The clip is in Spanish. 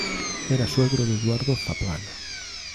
Era suegro de Eduardo Zaplana.